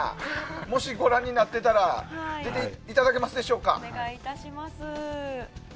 もしご覧になっていたら出ていただけますでしょうか。